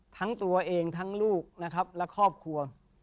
ทั้งตัวเองทั้งลูกนะครับและครอบครัว